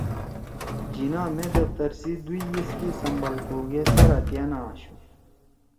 جناح مے دفتر سی دوئی یِسکے سمبال کؤ گےسَرا تِیا نہ آشُو